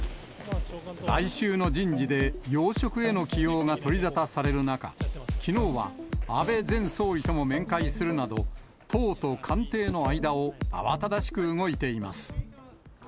来週の人事で要職への起用が取り沙汰される中、きのうは安倍前総理とも面会するなど、党と官邸の間を慌ただしく動いています。